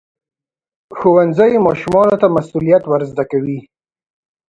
ښوونځی ماشومانو ته مسؤلیت ورزده کوي.